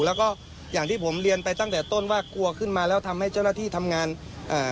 แล้วก็อย่างที่ผมเรียนไปตั้งแต่ต้นว่ากลัวขึ้นมาแล้วทำให้เจ้าหน้าที่ทำงานอ่า